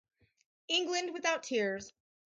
"England Without Tears".